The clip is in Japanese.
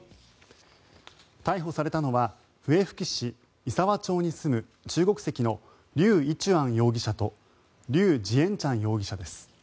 逮捕されたのは笛吹市石和町に住む中国籍のリュウ・イチュアン容疑者とリュウ・ジエンチャン容疑者です。